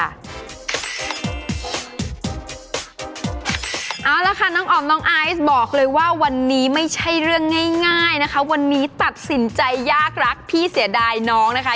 เอาละค่ะน้องอ๋อมน้องไอซ์บอกเลยว่าวันนี้ไม่ใช่เรื่องง่ายนะคะวันนี้ตัดสินใจยากรักพี่เสียดายน้องนะคะ